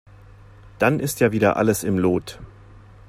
Dann ist ja wieder alles im Lot.